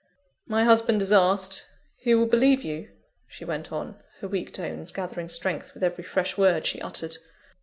"My husband has asked, who will believe you?" she went on; her weak tones gathering strength with every fresh word she uttered.